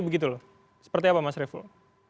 begitu loh seperti apa mas revo